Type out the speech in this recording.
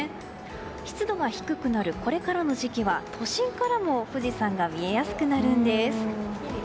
湿度が低くなるこれからの時期は都心からも富士山が見えやすくなるんです。